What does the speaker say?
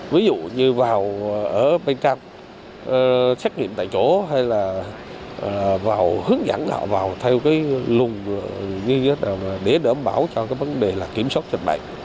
ví dụ như vào ở bên trong xét nghiệm tại chỗ hay là hướng dẫn họ vào theo cái lùng như thế nào để đảm bảo cho cái vấn đề là kiểm soát dịch bệnh